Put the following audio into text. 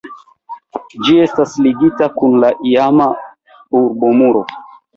Ĝi estas ligita kun la iama urbomuro.